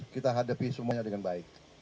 kita hadapi semuanya dengan baik